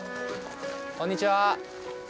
こんにちは。